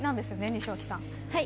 西脇さん。